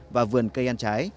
và vườn cây ăn trái